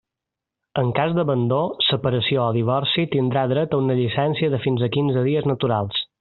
En cas d'abandó, separació o divorci, tindrà dret a una llicència de fins a quinze dies naturals.